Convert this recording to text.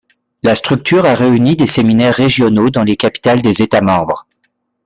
La structure a réuni des séminaires régionaux dans les capitales des États membres.